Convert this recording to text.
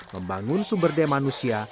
membangun sumber daya manusia